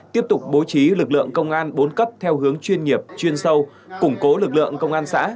tiếp tục bố trí lực lượng công an bốn cấp theo hướng chuyên nghiệp chuyên sâu củng cố lực lượng công an xã